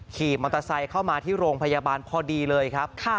ขี่มอเตอร์ไซค์เข้ามาที่โรงพยาบาลพอดีเลยครับ